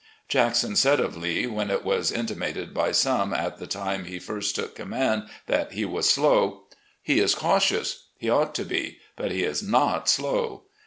Jackson said of Lee, when it was intimated by some, at the time he first took command, that he was slow : "He is cautious. He ought to be. But he is not slow.